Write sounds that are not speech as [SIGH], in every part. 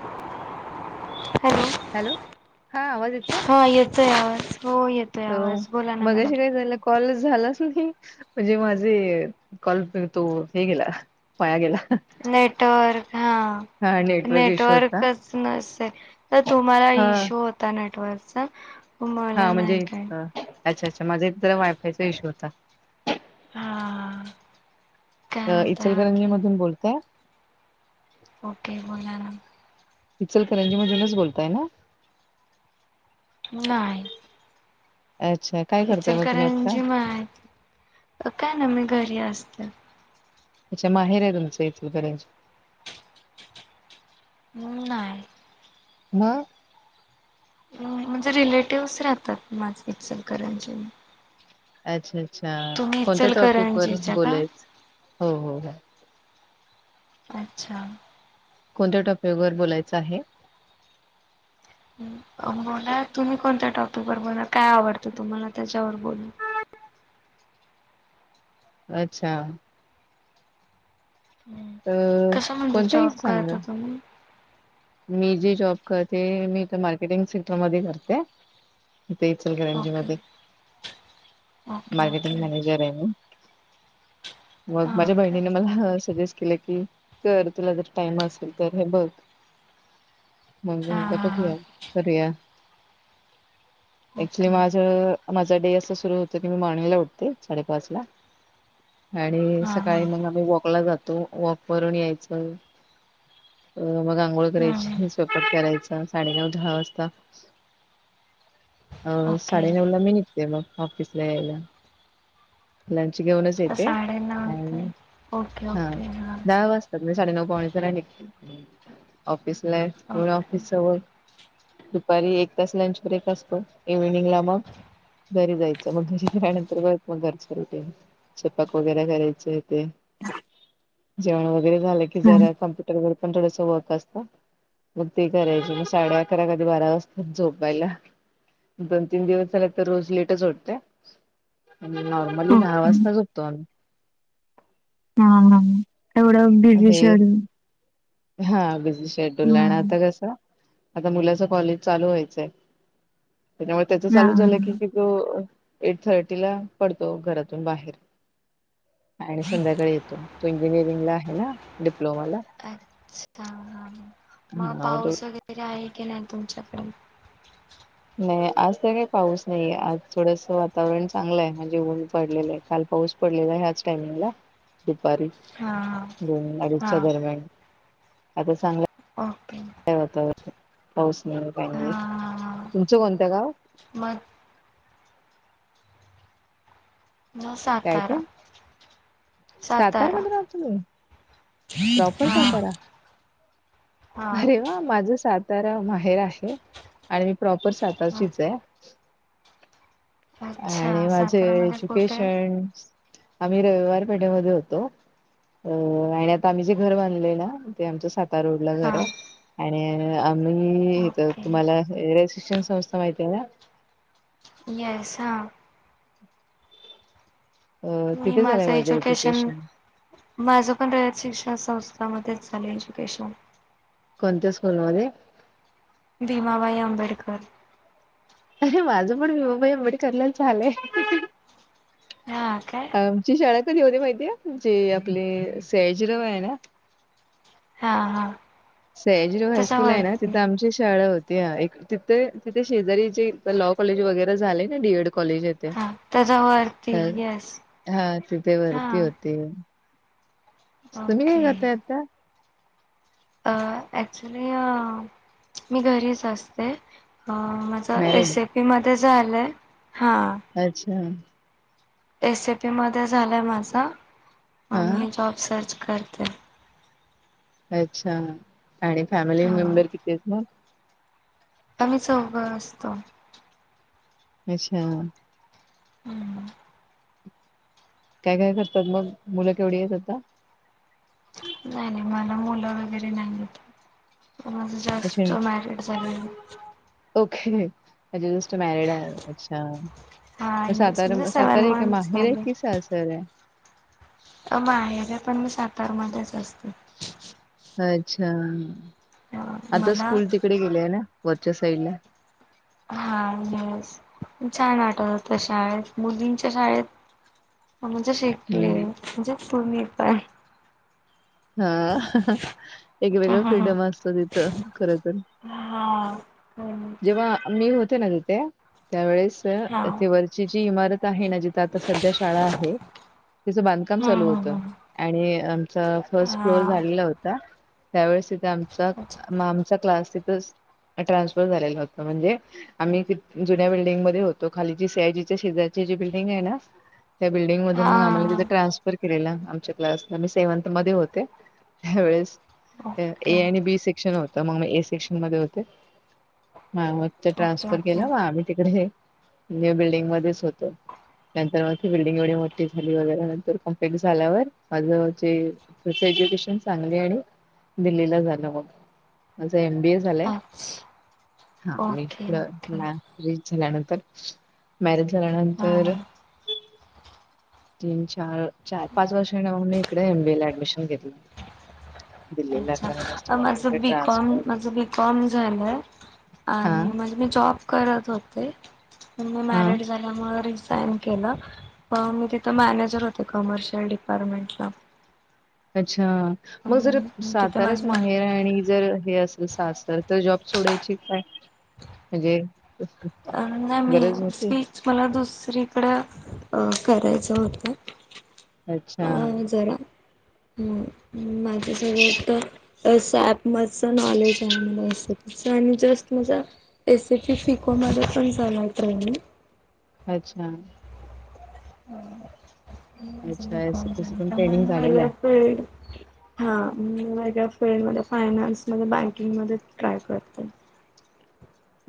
Hello! ! Hello!.. हा आवाज येतेय? येतोय आवाज.. हो येतय. हॅलो! मगाशी कास झालं कॉल झालाचं नाही. म्हणजे माझे कॉल तो हे गेला.. वाया गेला. नेटवर्क.. हा हा नेटवर्क इश्यू होता नेटवर्कचं नसतेय... तर तुम्हाला हा इशू होतो. त्या नेटवर्कचा, मला हा म्हणजे नाही... काय? अच्छा... अच्छा.. माझा एक तर वाय. फाय. चा इशू होता. हा.. काय अ.. म्हणताय इचलगंजी बाकी मधून बोलतेय. ओ. के. बोला ना. इचलकरंजी मधूनच बोलताय ना? नाय अच्छा.. काय करताय मग तुम्ही आता इचलकरांची माहित... काय नाही मी घरी असते. अच्छा... माहेर आहे तुमच इचलकरंजीत? हम्म.. नाय मग? म्हणजे रिलेटिव्हस राहतात, माझे इचलकरंजी मध्ये. अच्छा.. अच्छा.. कोणत्या टॉपिक वर इचलकरंजीच्या का बोलाच? हो.. हो.. हो अच्छा.. कोणत्या टॉपिक वर बोलायचं आहे? बोला.. तुम्ही कोणत्या टॉपिक वर बोला काय आवडतं तुम्हाला त्याच्यावर बोलू. अच्छा.. हम्म. अ.. कशामध्ये कोणत ही जॉब सांगा. करता तुम्ही? मी जे जॉब करते.. मी मार्केटिंग सेक्टरमध्ये करते. इथे इचलकरंजी ओके. मध्ये. ओके मारकेटिंग ओके मॅनेजर आहे मी. हा मग माझ्या काय बहिणीने मला सजेस्ट केलं की कर तुला जर टाइम असेल तर हे बघ. मम्मी हा म्हणलं हा हा बघूया करूया. ऍक्च्युली ओके माझ माझा डे असं सुरू होतो की मी मॉर्निंग ला उठते साडेपाच ला. आणि हा हा सकाळी मग आम्ही वॉकला जा तो‌. वॉक वरून यायच मग आंघोळ हम्म करायची. हम्म स्वयंपाक करायचा साडेनऊ दहा वाजता. अं साडेनऊ ओके ला मी निघते मग ऑफिसला यायला. लंच घेऊनच येते. अ साडेनऊ ते ओके हा ओके दहा वाजता. तर मग मी साडेनऊ पावणेदहा निघते. ऑफिस ला ओके. ऑफिस जवळ दुपारी एक तास लंच ब्रेक असतो इव्हिनिंग ला मग घरी जायचं मग घरी गेल्यानंतर मग घरचं रुटीन. स्वयंपाक वगैरे करायचे ते. जेवण वगैरे झालं कि हा जरा कम्प्युटर वर पण थोडंसं वर्क असतं. मग ते करायच. मग साडे अकरा कधी बारा वाजतात झोपायला. दोन तीन दिवस झाले तर रोज लेटच उठते. आणि नॉर्मली दहा ओके वाजता झोपतो आम्ही. हा हा. एवढ बिझी आम्ही शेड्युल. हा बिझी शेड्यूल हा आहे. आणि आता कसं आता मुलाच कॉलेज चालू व्हायचंय. त्याच्यामुळे त्याच हा चालू झालं हा. की तो एट थर्टी ला पडतो घरातून बाहेर. आणि संध्याकाळी येतो. तो इंजिनिअरिंग ला आहे ना डिप्लोमाला. अच्छा! हा मग हा तो पाऊस वगैरे आहे की नाही तुमच्याकडे? नाही. आज तर काही पाऊस नाहीे आज थोडस वातावरण चांगलं आहे. म्हणजे ऊन पडलेलं आहे. काल पाऊस पडलेला ह्याच टाईमला. दुपारी. हा. हा दोन अडीचच्या हा दरम्यान. आता चांगला ओके. काय होत. पाऊस नाही पाणी नाही. हा तुमचं कोणतं गाव? मग सातारा. सातारा मधून आहात तुम्ही? प्रॉपर हा सातारा? हा अरे वा! माझं सातारा माहेर आहे आणि मी प्रॉपर साताराचीच आहे. अच्छा आणि माझे सातारामध्ये कुठे एज्युकेशन. आम्ही रविवार पेठेमध्ये होतो. अ आणि आता आम्ही जे घर बांधलेय ना ते आमच्या रोड ला हा घर आहे आणि आम्हीइथ ओके तुम्हाला. रयत शिक्षण संस्था माहिती आहे ना. येसां. अ मी तिथे झालंय माझं एज्युकेशन माझं पण रयत शिक्षण संस्थामध्येच झालं एज्युकेशन. कोणत्या स्कूल मध्ये? भीमाबाई आंबेडकर. अरे माझं पण भीमाबाई आंबेडकर लाच झालंय. हा का? आमची शाळा कधी होते माहिती आहे जे आपले सयाजीराव आहे ना हा हा सयाजीराव हायस्कूल आहे ना, त्याच्यावरती तिथं आमची शाळा होती. ते एक तिथे तिथे शेजारी जे लॉ कॉलेज वगैरे झालंय ना डीएड कॉलेज आहे. त हा त्याच्यावरती ह येस हा तिथे हा वरती होते ते, तुम्ही काय ओके करताय आता? अ ऍक्च्युली मी घरीच असते. अं मा चा मॅरिड एसीपी मध्ये झालंय हा अच्छा! एसीपीमध्ये झालंय माझं, हा आणि जॉब सर्च करते. अच्छा आणि फॅमिली हा मेंबर कितीयत मग आम्ही चौघं असतो. अच्छा! हम्म. काय काय करतात मग, मुलं के एवढी आहेत आता. नाही नाही मला मुलं वगैरे नाहीयेत. रोज अच्छा जास्ट मॅरिड झाले आहे. ओके म्हणजे जस्ट मॅरेड, अच्छा. हा येस म्हणजे सातारा सेव्हन सातारा हे काय मंथ्स माहेर आहे झाले कि सासर हाय. अ माहेर पण मग सातारा मध्येच असते. अच्छा, आता मला स्कूल तिकडे गेलेय ना वरच्या साईडला हा येस, छान आठवतं होत शाळेत, मुलींच्या शाळेत. म्हणजे शिकले, हम्म म्हणजे तुम्ही पय हा, एक हा वेगळं हा हा. फ्रीडम असत तिथं, खरं तर हा. पण जेव्हा मी होते ना तिथे, त्यावेेळेस हा वरची जी इमारत काही ना जिथं आता सध्या शाळा आहे. तिचं बांधकाम हा चालू होत, हा आणि आमचा फर्स्ट फ्लोअर हा. झालेला होता. त्यावेळेस तिथे आमचा, अच्छा आमचा क्लास तिथंच ट्रान्सफर झालेला होता, म्हणजे आम्ही कित जुन्या बिल्डिंगमध्ये होतो, खाली जी सयाजीच्या शेजारची जी बिल्डिंग आहे ना. त्या बिल्डिंग मध्ये हा मग आम्हाला हा तिथं ट्रन्स कर केलेला आमच्या क्लास, आम्ही सेव्हन्थ मध्ये होते, त्यावेळेस ओके ए आणि बी सेक्शन होतं, मग मी ए सेक्शन मध्ये होते. म मग ते ओके ट्रान्सफर केला ओके व आम्ही तिकडे, न्यू बिल्डिंग मध्येच होतो. नंतर मग ती बिल्डिंग एवढी मोठी झाली वगैरे नंतर कम्प्लेट झाल्यावर, आझवायचे तसं एजुकेशन चांगली आणि दिल्लीला झालं मग, माझं एम बी ए झालंय. अच्छा हा मी ओके पुढं ओके मॅॅरज झाल्यानंतर, मॅरेज हा झाल्यानंतर हा. तीन चार, चार पाच वर्षांन मी इकडे एम बी ए ला ऍडमिशन घेतलं. दिल्लीला कारण अच्छा, मिस्टरांचं इकडे माझं बीकॉम, ट्रान्सफर माझं बीकॉम कॉम झालंय, हा आणि मग मी जॉब करत होते. मग मी हा मॅरड झा म रिसाइन केलं, अ मी तिथं मॅनेजर होते कमर्शियल डिपार्टमेंटला. अच्छा, मग जर तिथे साताराच माझं माहेर आणि जर हे असं जर सासरचा जॉब सोडायची काय, म्हणजे अ नाही मी, गरज होती स्वीटस मला दुसरीकडं, अ करायचं होतं. अच्छा होय जरा, ह माझं सगळं तर असं ॲप मच नॉलेज आहे. मला एसीच आणि जस्ट माझं ए सी पी फिकोमध्ये पण झाला आहे ट्रेनिंग. अच्छा. [UNINTELLIGIBLE] हा, अच्छा एसीपीसी पण ट्रेनिंग झालेलं आहे. वेगळ्या फील्डमध्ये फायनान्समध्ये बँकिंगमध्ये ट्राय करते.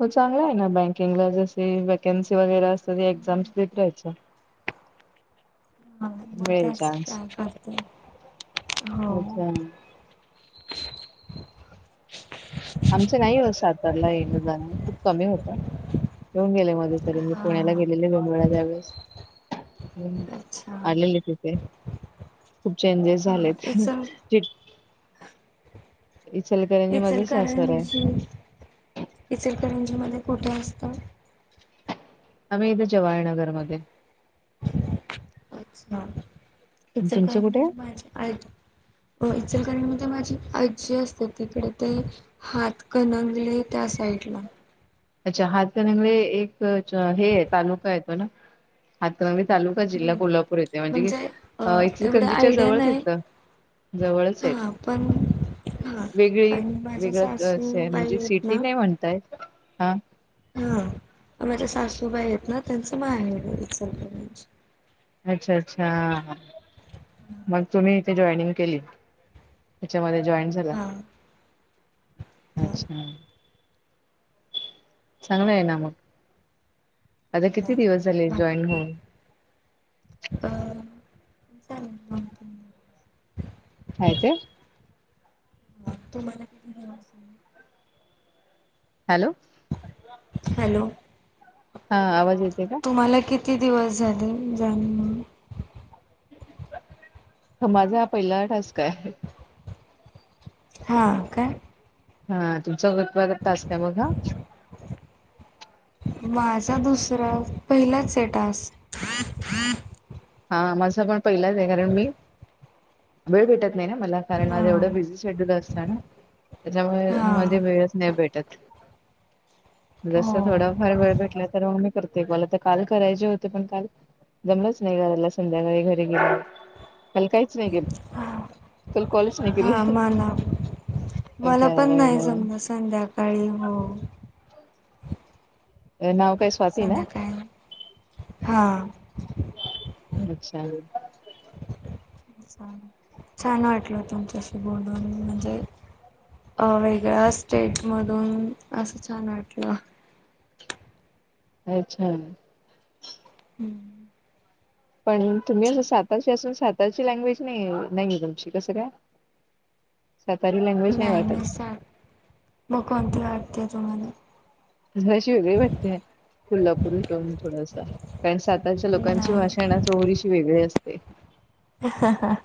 हो चांगला आहे ना, बँकिंगला जशी व्हॅकन्सी वगैरे असते. त एक्झाम्स देत राहायच्या. हा मग मिळेल त्याच चान्स ट्राय करते. हो. अच्छा आमचं नाही हो सातारला येणं जाणं खूप कमी होत. येऊन गेले मध्ये. तरी मी पुण्याला हा गेलेले दोन वेळा यावेेळेस. [UNINTELLIGIBLE] अच्छा आलेले तिथे, खूप चेंजेस हा झालेत. इचल चिट इचलकर इचलकरंजी, इचलकरंजी मध्ये कुठे असता. आम्ही येथे जवाळनगर मध्ये. अच्छा. तुमचं कुठे? इचलकरंजीत माझी आजी हो. इचलकरंजी माझी आजी असते तिथे ते हात कणंगले त्या साईडला. अच्छा. हातकणंगवे एक च हे आहे तालुका येतो ना, हातरा मी तालुका जिल्हा कोल्हापूर येते. म्हणजे कि, अ एवढं इंचलकरंजीच्या आयडिया जवळच नाही येतं. जवळच येत. हा पण हा वेगळी आणि माझ्या वेगळ कसं आहे सासूबाई म्हणजे आहेत सिटी ना नाही म्हणता येत. हा, हा, माझ्या सासूबाई आहेत ना, त्यांचं माहेर आहे इचलकरंजी. अच्छा अच्छा. मग तुम्ही ते जॉइनिंग केलीत. त्याच्यामध्ये जॉईन झालात. हा हा अच्छा. चांगलं आहे ना मग, आता किती हा दिवस झाले जॉईन बाकी होऊन. अ, जाणं मग काय ते अ, तुम्हाला किती दिवस [UNINTELLIGIBLE] हॅलो, हॅलो, हा, आवाज येते का? तुम्हाला किती दिवस झाले? जॉईन होऊन. ह माझा पहिला टास्क आहे. हा काय. हा तुमचा [UNINTELLIGIBLE] टास्क आहे मग हा. माझा दुसरा पहिलाच आहे टास्क. [INAUDIBLE] हा माझा पण पहिलाच आहे. कारण मी वेळ भेटत नाही न मला. कारण माझ हा एवढं बिझी शेड्यूल असतं ना, त्याच्यामुळे हा मध्ये वेळस नाही भेट -टत. जसं हो थोडाफार वेळ भेटला तर मग मी करते कॉल. आता काल करायचे होते पण काल जमलंच नाही करायला संध्याकाळी घरी गेल, काल काहीच नाही केलं. हा काल कॉलच नाही केली. हा मला मला पण नाही कारण जमलं संध्याकाळी हो. ये नाव काय स्वाती ना सध्या काय म? हा. [UNINTELLIGIBLE] छान वाटल तुमच्याशी बोलून म्हणजे- [UNINTELLIGIBLE] वेगळ्या स्टेटमधून असं छान वाटलं. [UNINTELLIGIBLE] छान ए. हम्म. पण तुम्ही असं सातारचे असून सातारची लँग्वेज नाही [UNINTELLIGIBLE] नाहीे तुमची कसं काय? सातारी लँग्वेज नाही वाटत. म कोणती वाटते तुम्हाला? मला अशी वेगळी वाटते. कोल्हापूरी टोन थोडासा. कारण सात- -रच्या लोकांची भाषा नाही ना थोडीशी वेगळी असते.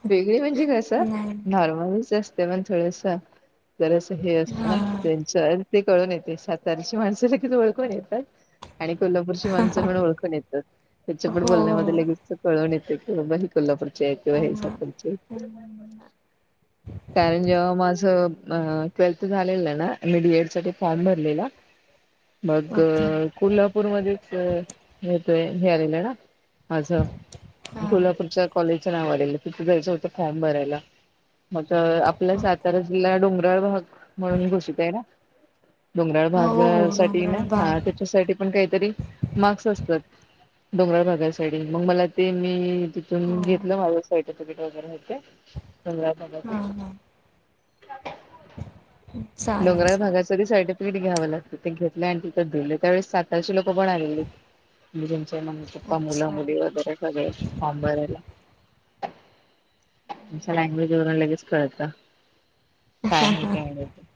वेगळी म्हणजे कसं? नाही नॉर्मलच अस- -ते. पण थोडस बरचस हे असतं ना हां त्यांच? ते कळून येते सातार- माणसाला किती ओळखू येतात. आणि कोल्हापूरची माणसं म्हणून ओळखून येतात. त्यांच्या पण हो हो बोलण्यामध्ये लगेच- कळून येते. की बाबा हे कोल्हापूर - -चे हेत किंवा हे हां. [UNINTELLIGIBLE] कारण जेव्हा माझ- म ट्वेल्थ झालेलं ना? मी डी एड साठी फॉर्म भरलेला मग- ओके कोल्हापूरमध्येच म ते मिळालेलं ना? माझं - हां कोल्हापूरच्या कॉलेजचं नाव आलेलं. तिथे जायचं होत फॉर्म भरायला. म आता आपला ओके. सातारा जिल्हा डोंगराळ भाग म्हणून घोषित आहे ना? डोंगराळ हो. भागासाठी ना डोंगराळ हा भाग. त्याच्यासाठी पण काहीतरी मार्क्स असतात. डोंगराळ भागासाठी. मग मला ते मी हो तिथून घेतलं माझं सर्टिफिकेट वगैरे. [UNINTELLIGIBLE] हां हां चालेल डोंगराळ भागा- चालेल. तरी सर्टिफिकट घ्यावं लाग - -त. ते घेतल आणि तिथं दिल. त्यावेेळेस सातारची लोक पण आलेलीे [UNINTELLIGIBLE] त मुल अच्छा मुली वगैरे सगळे फॉर्म भरायला. त्यांच्या लँग्वेज वरून लगेच कळत. काय [UNINTELLIGIBLE]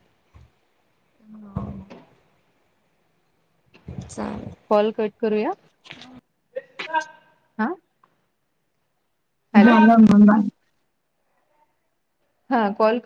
हो चालेल. कॉल कट करू या? हा हॅलो जालं म बा. हा. कॉल-